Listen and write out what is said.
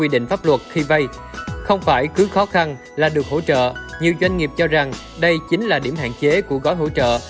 để được hỗ trợ nhiều doanh nghiệp cho rằng đây chính là điểm hạn chế của gói hỗ trợ